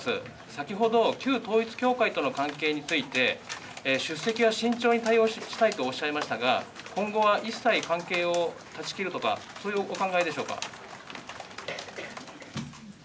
先ほど旧統一教会との関係について、出席は慎重に対応したいとおっしゃいましたが、今後は一切関係を断ち切ることは、そういうお考えでしょうか。